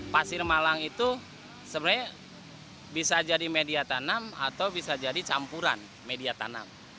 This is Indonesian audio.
pasir malang itu sebenarnya bisa jadi media tanam atau bisa jadi campuran media tanam